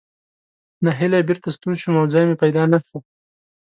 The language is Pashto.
نهیلی بېرته ستون شوم او ځای مې پیدا نه شو.